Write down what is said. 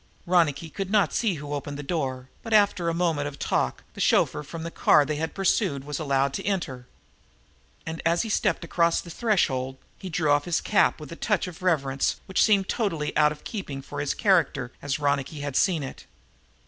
Ronicky could not see who opened the door, but, after a moment of talk, the chauffeur from the car they had pursued was allowed to enter. And, as he stepped across the threshold, he drew off his cap with a touch of reverence which seemed totally out of keeping with his character as Ronicky had seen it.